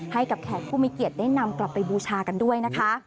แขกผู้มีเกียรติได้นำกลับไปบูชากันด้วยนะคะ